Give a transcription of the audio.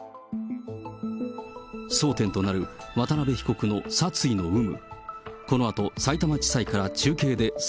争点となる渡辺被告の殺意の有無。